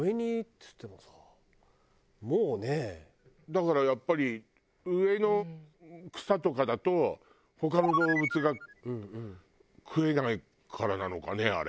だからやっぱり上の草とかだと他の動物が食えないからなのかねあれ。